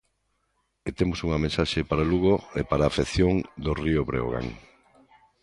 E temos unha mensaxe para Lugo e para a afección do Río Breogán.